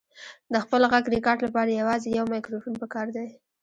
د خپل غږ ریکارډ لپاره یوازې یو مایکروفون پکار دی.